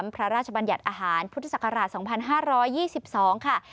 พระราชบัญญัติอาหารพุทธศักราช๒๕๒๒ค่ะ